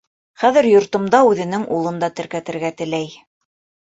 Хәҙер йортомда үҙенең улын да теркәтергә теләй.